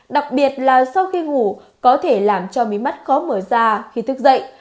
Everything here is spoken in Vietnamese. đặc biệt là sau khi ngủ có thể làm cho miếng mắt khó mở ra khi thức dậy